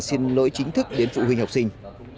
xin lỗi chính thức đến phụ huynh học sinh